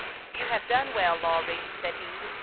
" You have done well, Lawry," said he.